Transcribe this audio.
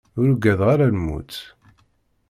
Ur ugadeɣ ara lmut.